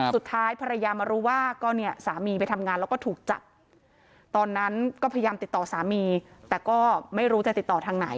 สุดท้ายภรรยามารู้ว่าก็เนี่ยสามีไปทำงานแล้วก็ถูกจับตอนนั้นก็พยายามติดต่อสามีแต่ก็ไม่รู้จะติดต่อทางไหน